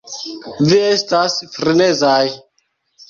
Vi estas frenezaj!